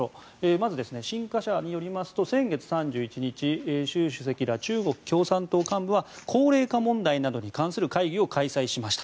まず、新華社によりますと先月３１日習主席ら中国共産党幹部は高齢化問題などに関する会議を開催しました。